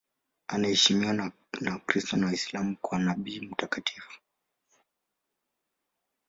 Anaheshimiwa na Wakristo na Waislamu kama nabii na mtakatifu.